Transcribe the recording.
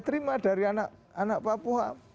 terima dari anak anak papua